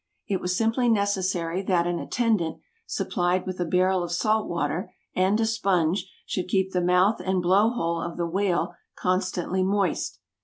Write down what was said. It was simply necessary that an attendant, supplied with a barrel of salt water and a sponge, should keep the mouth and blow hole of the whale constantly moist.